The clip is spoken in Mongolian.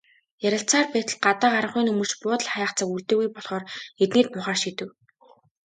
Ярилцсаар байтал гадаа харанхуй нөмөрч, буудал хайх цаг үлдээгүй болохоор эднийд буухаар шийдэв.